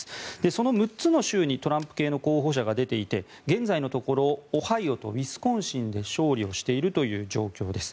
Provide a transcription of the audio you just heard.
その６つの州にトランプ系の候補者が出ていて現在のところオハイオとウィスコンシンで勝利をしているという状況です。